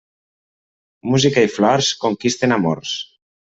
Música i flors conquisten amors.